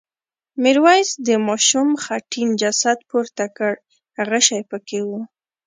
میرويس د ماشوم خټین جسد پورته کړ غشی پکې و.